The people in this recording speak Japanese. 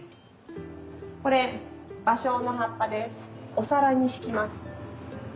これお皿に敷きます。